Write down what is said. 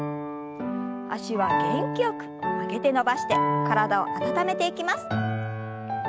脚は元気よく曲げて伸ばして体を温めていきます。